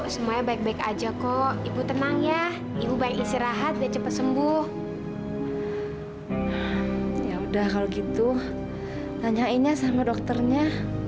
sampai jumpa di video selanjutnya